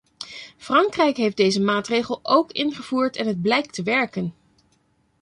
Frankrijk heeft deze maatregel ook ingevoerd en het blijkt te werken.